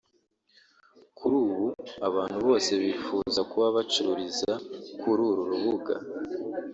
kuri ubu abantu bose bifuza kuba bacururiza kuri uru rubuga